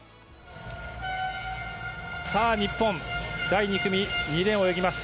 日本、第２組２レーンを泳ぎます。